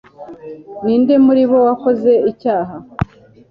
ni nde muri bo wakoze icyaha